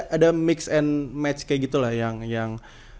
ada mix and match kayak gitu lah yang